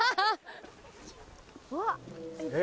うわっ！